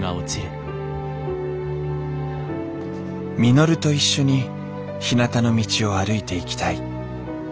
稔と一緒にひなたの道を歩いていきたい。